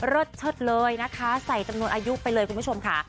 เชิดเลยนะคะใส่จำนวนอายุไปเลยคุณผู้ชมค่ะ